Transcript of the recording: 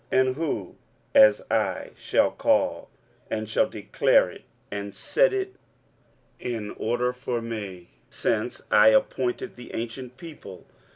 23:044:007 And who, as I, shall call, and shall declare it, and set it in order for me, since I appointed the ancient people?